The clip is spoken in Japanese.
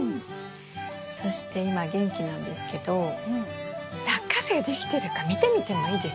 そして今元気なんですけどラッカセイできてるか見てみてもいいですか？